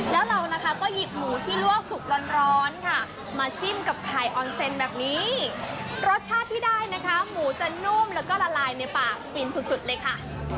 แล้วเรานะคะก็หยิบหมูที่ลวกสุกร้อนค่ะมาจิ้มกับไข่ออนเซนแบบนี้รสชาติที่ได้นะคะหมูจะนุ่มแล้วก็ละลายในปากฟินสุดเลยค่ะ